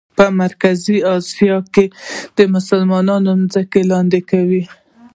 په مرکزي آسیا کې یې د مسلمانانو ځمکې لاندې کولې.